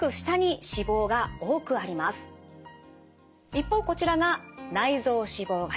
一方こちらが内臓脂肪型。